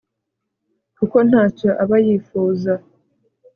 kuko ntacyo aba yifuza